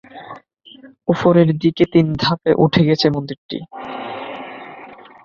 উপরের দিকে তিন ধাপে উঠে গেছে মন্দিরটি।